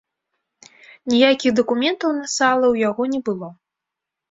Ніякіх дакументаў на сала ў яго не было.